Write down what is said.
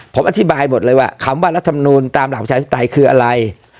ผมอธิบายหมดเลยว่าคำว่ารัฐมนูลตามหลักประชาธิปไตยคืออะไร